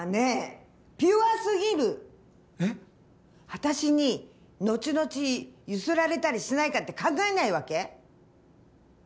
私にのちのちゆすられたりしないかって考えないわけ？